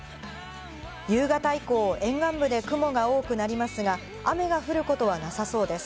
夕方以降、沿岸部で雲が多くなりますが、雨が降ることはなさそうです。